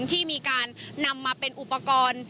ที่มีการนำมาเป็นอุปกรณ์